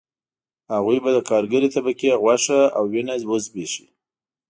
هغوی به د کارګرې طبقې غوښه او وینه وزبېښي